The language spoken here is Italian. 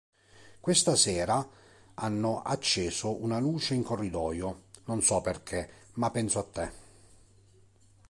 Questa sera hanno acceso una luce in corridoio, non so perché, ma penso a te.